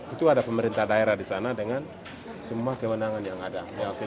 itu ada pemerintah daerah di sana dengan semua kewenangan yang ada